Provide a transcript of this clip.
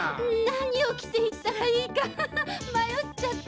なにをきていったらいいかハハまよっちゃって。